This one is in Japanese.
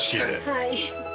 はい。